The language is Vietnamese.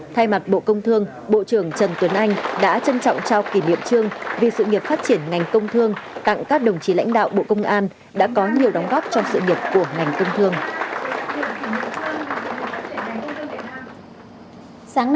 thay mặt bộ công thương bộ trưởng trần tuấn anh đã trân trọng trao kỷ niệm trương vì sự nghiệp phát triển ngành công thương tặng các đồng chí lãnh đạo bộ công an đã có nhiều đóng góp cho sự nghiệp của ngành công thương